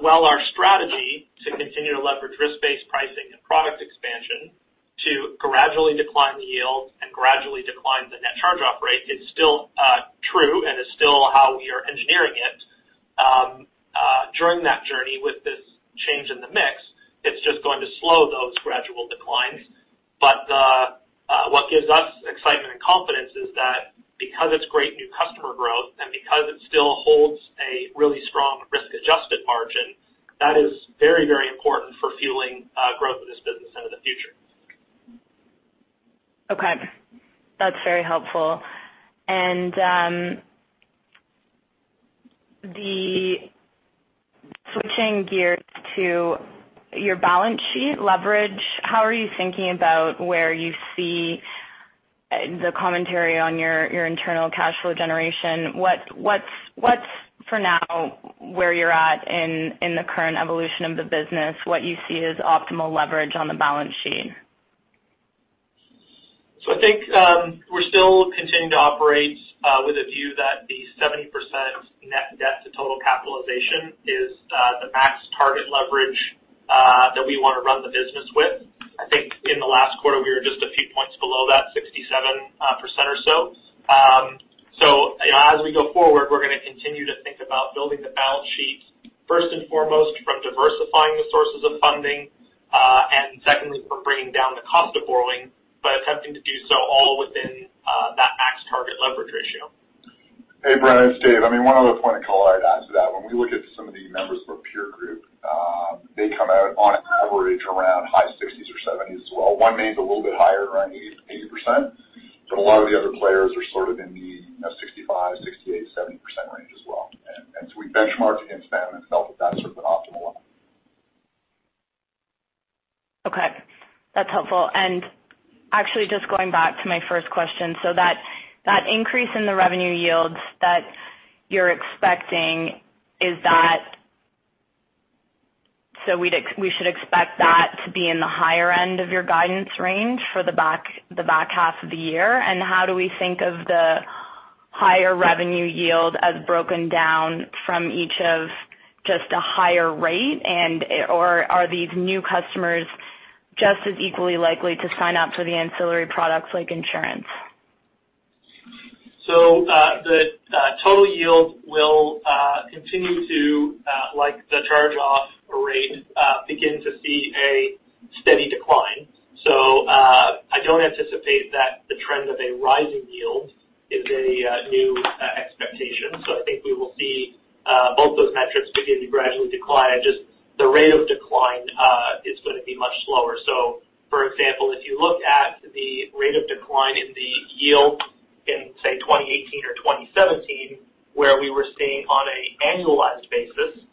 While our strategy to continue to leverage risk-based pricing and product expansion to gradually decline the yield and gradually decline the net charge-off rate is still true and is still how we are engineering it during that journey with this change in the mix, it's just going to slow those gradual declines. What gives us excitement and confidence is that because it's great new customer growth and because it still holds a really strong risk-adjusted margin, that is very important for fueling growth of this business into the future. Okay. That's very helpful. Switching gears to your balance sheet leverage, how are you thinking about where you see the commentary on your internal cash flow generation? What's, for now, where you're at in the current evolution of the business, what you see as optimal leverage on the balance sheet? I think we're still continuing to operate with a view that the 70% net debt to total capitalization is the max target leverage that we want to run the business with. I think in the last quarter, we were just a few points below that, 67% or so. As we go forward, we're going to continue to think about building the balance sheet, first and foremost from diversifying the sources of funding. Secondly, for bringing down the cost of borrowing, but attempting to do so all within that max target leverage ratio. Hey, Brent, it's Dave. One other point of color I'd add to that. When we look at some of the members of our peer group, they come out on average around high 60s or 70s as well. One maybe is a little bit higher, around 80%, but a lot of the other players are sort of in the 65%, 68%, 70% range as well. We benchmarked against them and felt that that's sort of an optimal level. Okay. That's helpful. Actually just going back to my first question, so that increase in the revenue yields that you're expecting, so we should expect that to be in the higher end of your guidance range for the back half of the year? How do we think of the higher revenue yield as broken down from each of just a higher rate and/or are these new customers just as equally likely to sign up for the ancillary products like insurance? The total yield will continue to, like the charge-off rate, begin to see a steady decline. I don't anticipate that the trend of a rising yield is a new expectation. I think we will see both those metrics begin to gradually decline, just the rate of decline is going to be much slower. For example, if you look at the rate of decline in the yield in, say, 2018 or 2017, where we were seeing on an annualized basis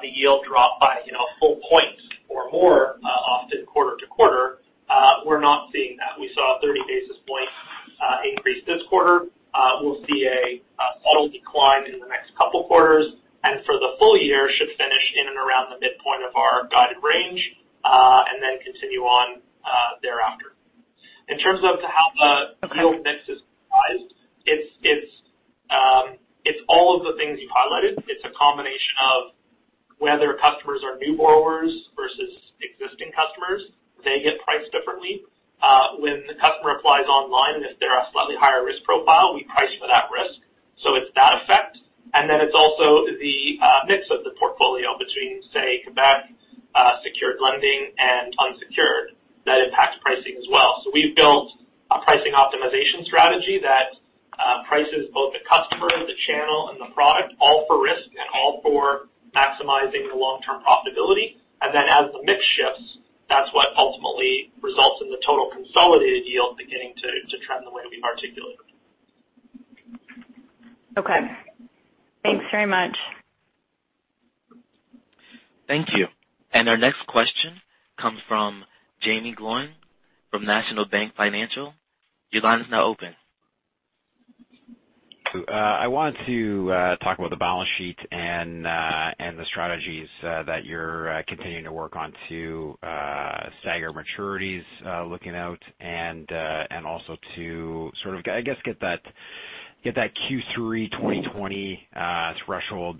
the yield drop by a full point or more often quarter to quarter. We're not seeing that. We saw a 30 basis point increase this quarter. We'll see a subtle decline in the next couple of quarters. For the full year, should finish in and around the midpoint of our guided range and then continue on thereafter. In terms of how the real mix is priced, it's all of the things you've highlighted. It's a combination of whether customers are new borrowers versus existing customers. They get priced differently. When the customer applies online, if they're a slightly higher risk profile, we price for that risk. It's that effect. It's also the mix of the portfolio between, say, Quebec Secured lending and unsecured that impacts pricing as well. We've built a pricing optimization strategy that prices both the customer, the channel, and the product, all for risk and all for maximizing the long-term profitability. As the mix shifts, that's what ultimately results in the total consolidated yield beginning to trend the way that we've articulated. Okay. Thanks very much. Thank you. Our next question comes from Jaeme Gloyn from National Bank Financial. Your line is now open. I want to talk about the balance sheet and the strategies that you're continuing to work on to stagger maturities looking out and also to, I guess, get that Q3 2020 threshold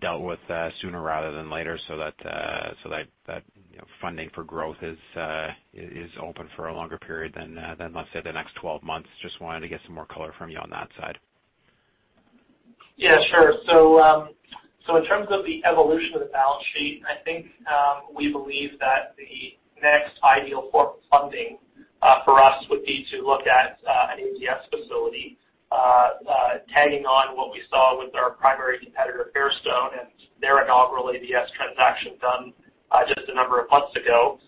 dealt with sooner rather than later so that funding for growth is open for a longer period than, let's say, the next 12 months. Just wanted to get some more color from you on that side. Yeah, sure. So in terms of the evolution of the balance sheet, I think we believe that the next ideal form of funding for us would be to look at an ABS facility, tagging on what we saw with our primary competitor, Fairstone, and their inaugural ABS transaction done just a number of months ago.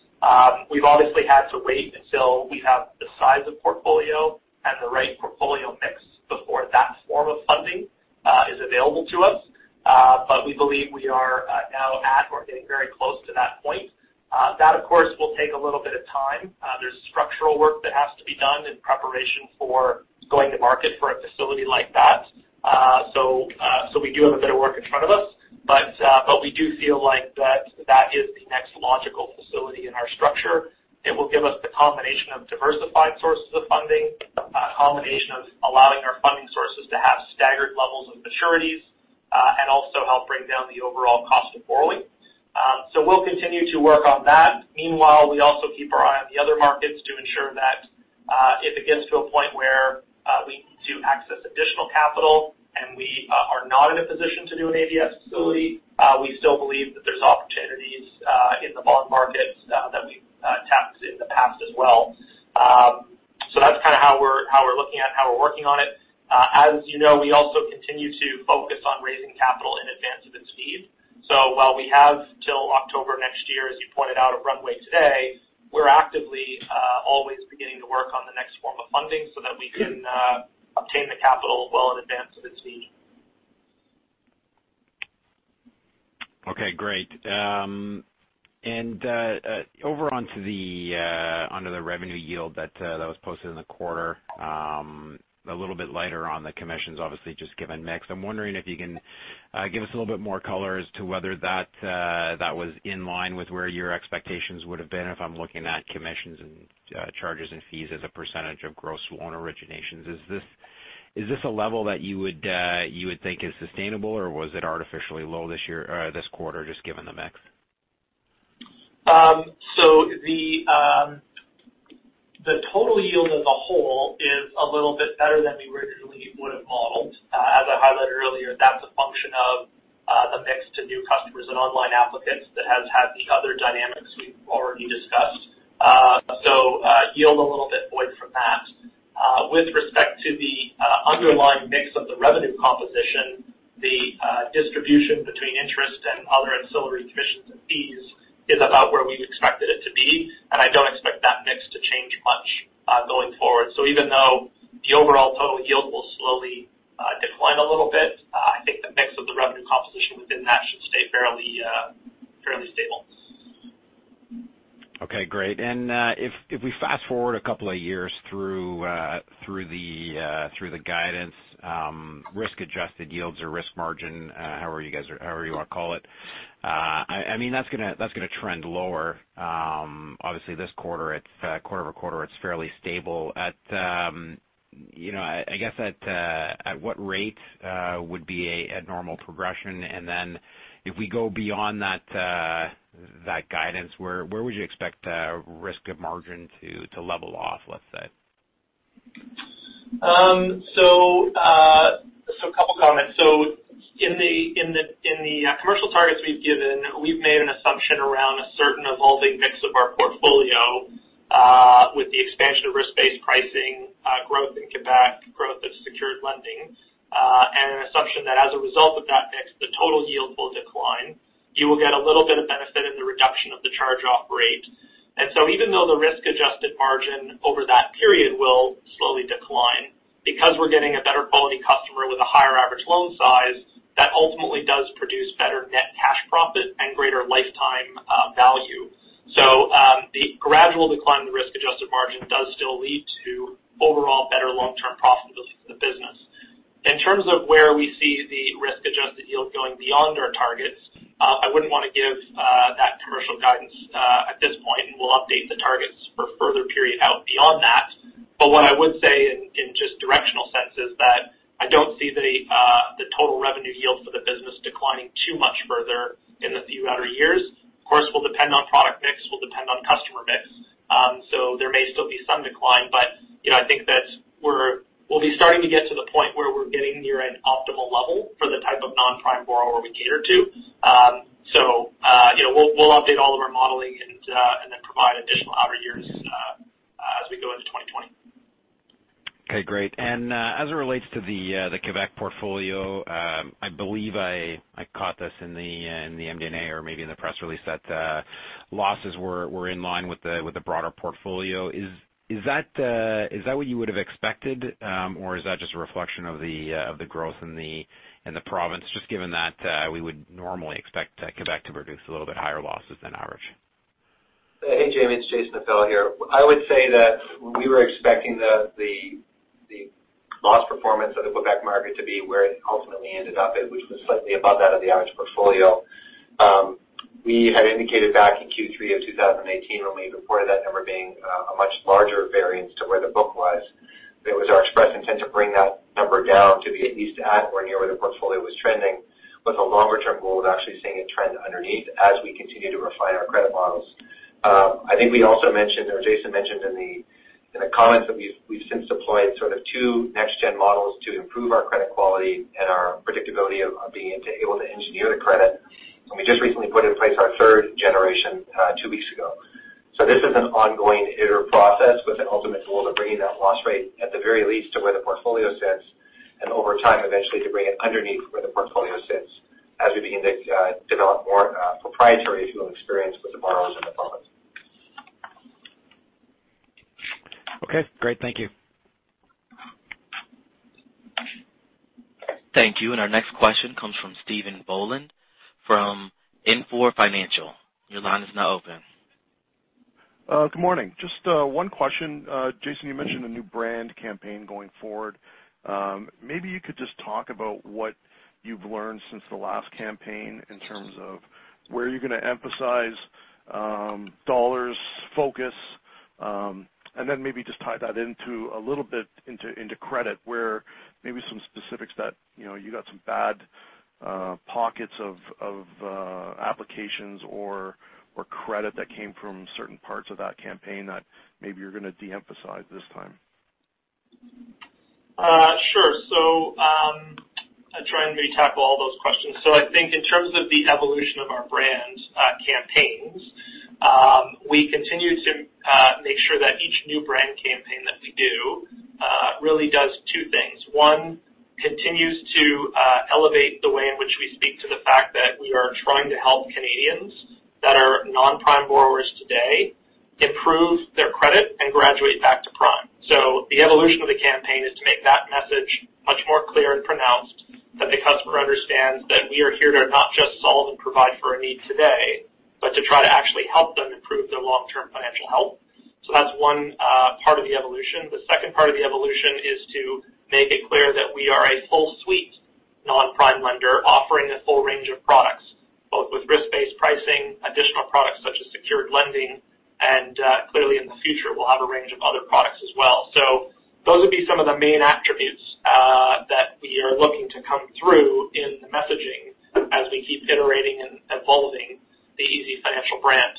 We've obviously had to wait until we have the size of portfolio and the right portfolio mix before that form of funding is available to us. We believe we are now at or getting very close to that point. That, of course, will take a little bit of time. There's structural work that has to be done in preparation for going to market for a facility like that. We do have a bit of work in front of us. We do feel like that is the next logical facility in our structure. It will give us the combination of diversified sources of funding, a combination of allowing our funding sources to have staggered levels of maturities, and also help bring down the overall cost of borrowing. We'll continue to work on that. Meanwhile, we also keep our eye on the other markets to ensure that if it gets to a point where we need to access additional capital and we are not in a position to do an ABS facility, we still believe that there's opportunities in the bond markets that we've tapped in the past as well. That's kind of how we're looking at how we're working on it. As you know, we also continue to focus on raising capital in advance of its need. While we have till October next year, as you pointed out, a runway today, we're actively always beginning to work on the next form of funding so that we can obtain the capital well in advance of its need. Okay, great. Over onto the revenue yield that was posted in the quarter. A little bit lighter on the commissions, obviously, just given mix. I'm wondering if you can give us a little bit more color as to whether that was in line with where your expectations would've been if I'm looking at commissions and charges and fees as a percentage of gross loan originations. Is this a level that you would think is sustainable, or was it artificially low this quarter just given the mix? The total yield as a whole is a little bit better than we originally would've modeled. As I highlighted earlier, that's a function of the mix to new customers and online applicants that has had the other dynamics we've already discussed. Yield a little bit buoyed from that. With respect to the underlying mix of the revenue composition, the distribution between interest and other ancillary commissions and fees is about where we expected it to be, and I don't expect that mix to change much going forward. Even though the overall total yield will slowly decline a little bit, I think the mix of the revenue composition within that should stay fairly stable. Okay, great. If we fast-forward a couple of years through the guidance, risk-adjusted yields or risk margin, however you want to call it, that's going to trend lower. Obviously this quarter-over-quarter it's fairly stable. I guess at what rate would be a normal progression? Then if we go beyond that guidance, where would you expect risk of margin to level off, let's say? A couple of comments. In the commercial targets we've given, we've made an assumption around a certain evolving mix of our portfolio with the expansion of risk-based pricing, growth in Quebec, growth of secured lending, and an assumption that as a result of that mix, the total yield will decline. You will get a little bit of benefit in the reduction of the charge-off rate. Even though the risk-adjusted margin over that period will slowly decline, because we're getting a better quality customer with a higher average loan size, that ultimately does produce better net cash profit and greater lifetime value. The gradual decline in the risk-adjusted margin does still lead to overall better long-term profit of the business. In terms of where we see the risk-adjusted yield going beyond our targets, I wouldn't want to give that commercial guidance at this point, and we'll update the targets for a further period out beyond that. What I would say in just directional sense is that I don't see the total revenue yield for the business declining too much further in the few outer years. Of course, will depend on product mix, will depend on customer mix. There may still be some decline, but I think that we'll be starting to get to the point where we're getting near an optimal level for the type of non-prime borrower we cater to. We'll update all of our modeling and then provide additional outer years as we go into 2020. Okay, great. As it relates to the Quebec portfolio, I believe I caught this in the MD&A or maybe in the press release that losses were in line with the broader portfolio. Is that what you would have expected, or is that just a reflection of the growth in the province, just given that we would normally expect Quebec to produce a little bit higher losses than average? Hey, Jaeme, it's Jason Appel here. I would say that we were expecting the loss performance of the Quebec market to be where it ultimately ended up. It was just slightly above that of the average portfolio. We had indicated back in Q3 of 2018 when we reported that number being a much larger variance to where the book was. It was our express intent to bring that number down to be at least at or near where the portfolio was trending. With a longer-term goal of actually seeing it trend underneath as we continue to refine our credit models. I think we also mentioned, or Jason mentioned in the comments that we've since deployed sort of two next-gen models to improve our credit quality and our predictability of being able to engineer the credit. We just recently put in place our third generation two weeks ago. This is an ongoing iterative process with an ultimate goal of bringing that loss rate, at the very least, to where the portfolio sits, and over time, eventually to bring it underneath where the portfolio sits as we begin to develop more proprietary experience with the borrowers in the province. Okay, great. Thank you. Thank you. Our next question comes from Stephen Boland from INFOR Financial. Your line is now open. Good morning. Just one question. Jason, you mentioned a new brand campaign going forward. Maybe you could just talk about what you've learned since the last campaign in terms of where you're going to emphasize dollars focus, and then maybe just tie that into a little bit into credit where maybe some specifics that you got some bad pockets of applications or credit that came from certain parts of that campaign that maybe you're going to de-emphasize this time. Sure. I try and really tackle all those questions. I think in terms of the evolution of our brand campaigns, we continue to make sure that each new brand campaign that we do really does two things. One, continues to elevate the way in which we speak to the fact that we are trying to help Canadians that are non-prime borrowers today improve their credit and graduate back to prime. The evolution of the campaign is to make that message much more clear and pronounced that the customer understands that we are here to not just solve and provide for a need today, but to try to actually help them improve their long-term financial health. That's one part of the evolution. The second part of the evolution is to make it clear that we are a full suite non-prime lender offering a full range of products, both with risk-based pricing, additional products such as secured lending, and clearly in the future, we'll have a range of other products as well. Those would be some of the main attributes that we are looking to come through in the messaging as we keep iterating and evolving the easyfinancial brand.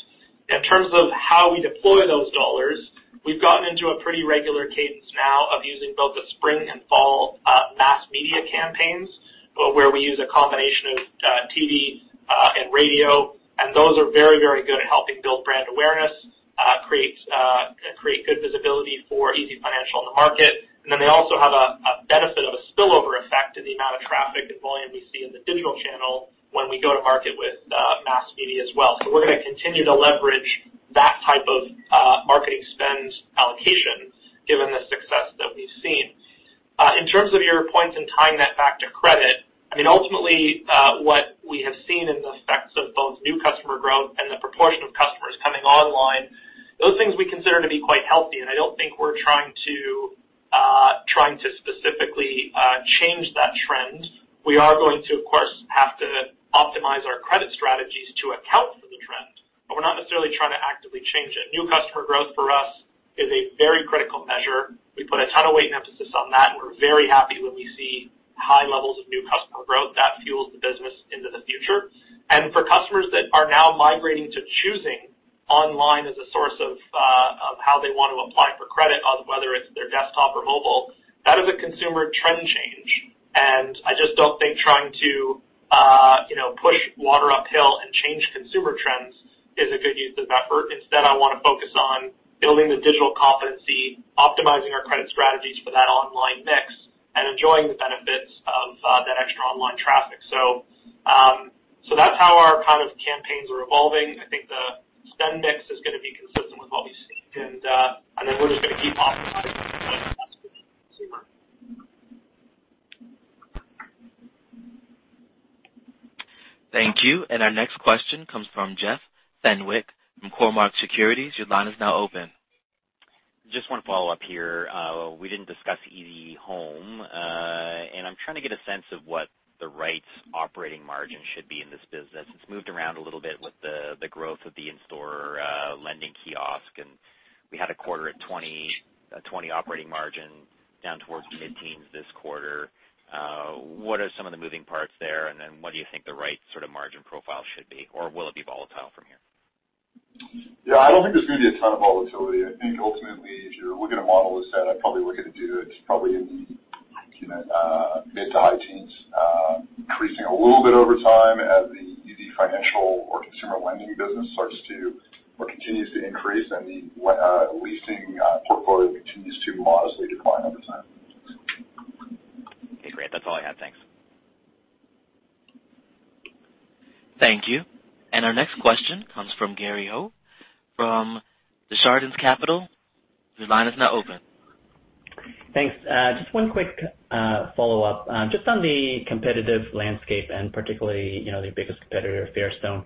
In terms of how we deploy those dollars, we've gotten into a pretty regular cadence now of using both the spring and fall mass media campaigns, where we use a combination of TV and radio. Those are very, very good at helping build brand awareness, create good visibility for easyfinancial in the market. Then they also have a benefit of a spillover effect in the amount of traffic and volume we see in the digital channel when we go to market with mass media as well. We're going to continue to leverage that type of marketing spend allocation given the success that we've seen. In terms of your points and tying that back to credit, ultimately what we have seen in the effects of both new customer growth and the proportion of customers coming online, those things we consider to be quite healthy. I don't think we're trying to specifically change that trend. We are going to, of course, have to optimize our credit strategies to account for the trend, but we're not necessarily trying to actively change it. New customer growth for us is a very critical measure. We put a ton of weight and emphasis on that, and we're very happy when we see high levels of new customer growth that fuels the business into the future. For customers that are now migrating to choosing online as a source of how they want to apply for credit, whether it's their desktop or mobile, that is a consumer trend change. I just don't think trying to push water uphill and change consumer trends is a good use of effort. Instead, I want to focus on building the digital competency, optimizing our credit strategies for that online mix, and enjoying the benefits of that extra online traffic. That's how our kind of campaigns are evolving. I think the spend mix is going to be consistent with what we've seen. We're just going to keep optimizing Thank you. Our next question comes from Jeff Fenwick from Cormark Securities. Your line is now open. Just one follow-up here. We didn't discuss easyhome. I'm trying to get a sense of what the right operating margin should be in this business. It's moved around a little bit with the growth of the in-store lending kiosk, and we had a quarter at 20 operating margin down towards mid-teens this quarter. What are some of the moving parts there? What do you think the right sort of margin profile should be? Will it be volatile from here? Yeah, I don't think there's going to be a ton of volatility. I think ultimately, if you were looking to model this out, I'd probably look at it do probably in the mid to high teens, increasing a little bit over time as the financial or consumer lending business starts to or continues to increase and the leasing portfolio continues to modestly decline over time. Okay, great. That's all I had. Thanks. Thank you. Our next question comes from Gary Ho from Desjardins Capital. Your line is now open. Thanks. Just one quick follow-up. Just on the competitive landscape and particularly your biggest competitor, Fairstone.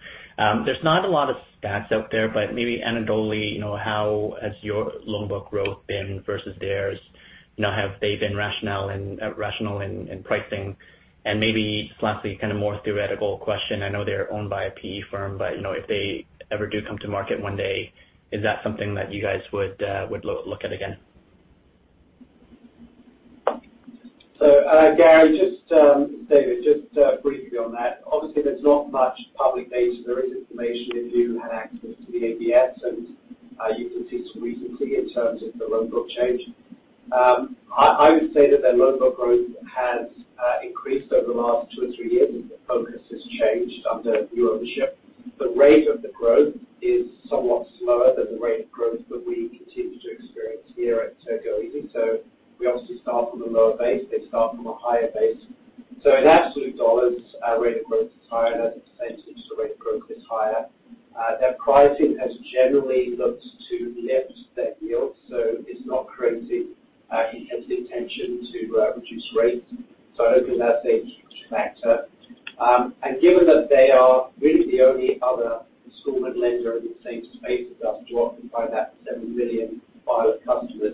There's not a lot of stats out there, but maybe anecdotally, how has your loan book growth been versus theirs? Have they been rational in pricing? Maybe lastly, kind of more theoretical question. I know they're owned by a PE firm, but if they ever do come to market one day, is that something that you guys would look at again? Gary, David, just briefly on that. Obviously, there's not much public data. There is information if you had access to the ABS, you can see some recency in terms of the loan book change. I would say that their loan book growth has increased over the last two or three years as the focus has changed under new ownership. The rate of the growth is somewhat slower than the rate of growth that we continue to experience here at goeasy. We obviously start from a lower base. They start from a higher base. In absolute dollars, our rate of growth is higher. In percentage, the rate of growth is higher. Their pricing has generally looked to lift their yield, it's not crazy. I think there's the intention to reduce rates. I don't think that's a huge factor. Given that they are really the only other installment lender in the same space as us, dwarfed by that 7 million file of customers,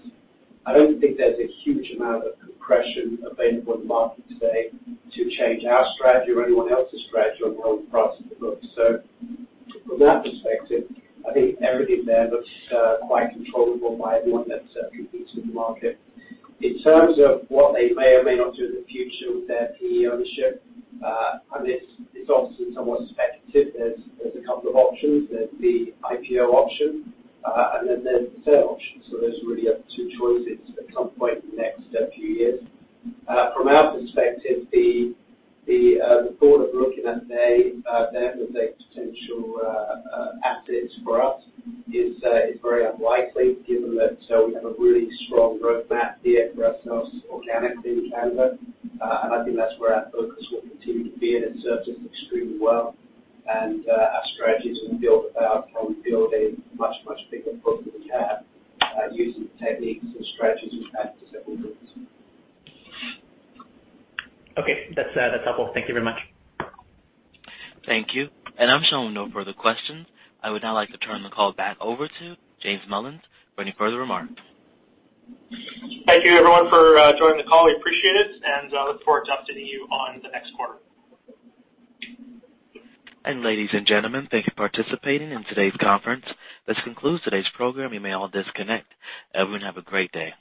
I don't think there's a huge amount of compression available in the market today to change our strategy or anyone else's strategy on how we price the books. From that perspective, I think everything there looks quite controllable by everyone that competes in the market. In terms of what they may or may not do in the future with their PE ownership, it's obviously somewhat speculative. There's a couple of options. There's the IPO option, and then there's the sale option. Those are really the two choices at some point in the next few years. From our perspective, the thought of looking at them as a potential asset for us is very unlikely given that we have a really strong roadmap here for ourselves organically in Canada. I think that's where our focus will continue to be, and it serves us extremely well. Our strategy is going to be built about can we build a much, much bigger book than we have using the techniques and strategies and practices that we're using. Okay. That's helpful. Thank you very much. Thank you. I'm showing no further questions. I would now like to turn the call back over to Jason Mullins for any further remarks. Thank you everyone for joining the call. We appreciate it, and look forward to updating you on the next quarter. Ladies and gentlemen, thank you for participating in today's conference. This concludes today's program. You may all disconnect. Everyone, have a great day.